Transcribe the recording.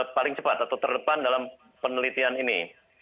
paling cepat atau terdepan dalam penelitian ini